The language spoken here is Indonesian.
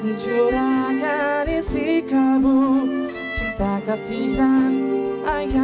mulai apa nih